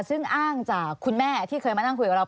ซึ่งอ้างจากคุณแม่ที่เคยมานั่งคุยกับเรา